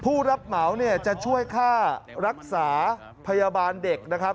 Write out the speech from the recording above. ผู้รับเหมาเนี่ยจะช่วยค่ารักษาพยาบาลเด็กนะครับ